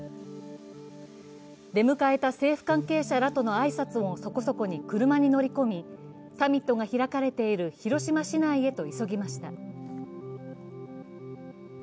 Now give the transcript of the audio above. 出迎えた政府関係者らとの挨拶もそこそこに車に乗り込みサミットが開かれている広島市内へと急ぎました。